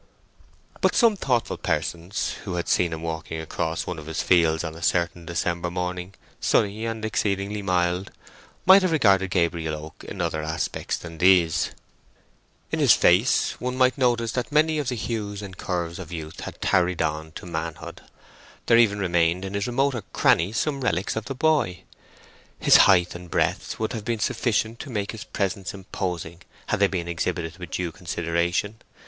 But some thoughtful persons, who had seen him walking across one of his fields on a certain December morning—sunny and exceedingly mild—might have regarded Gabriel Oak in other aspects than these. In his face one might notice that many of the hues and curves of youth had tarried on to manhood: there even remained in his remoter crannies some relics of the boy. His height and breadth would have been sufficient to make his presence imposing, had they been exhibited with due consideration.